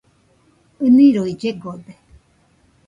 ɨniroi llegode.